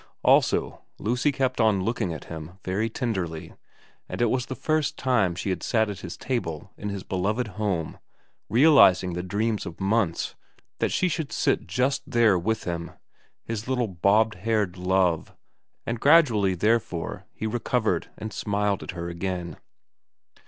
Also Lucy kept on looking at him very tenderly, and it was the first time she had sat at his table in his beloved home, realising the dreams of months that she should sit just there with him, his little bobbed haired Love, and gradually therefore he recovered and smiled at her again.